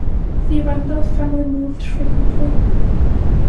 The Randolph family moved frequently.